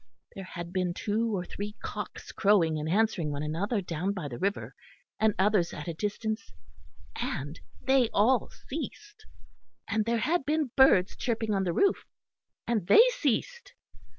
There had been two or three cocks crowing and answering one another down by the river, and others at a distance; and they all ceased: and there had been birds chirping in the roof, and they ceased.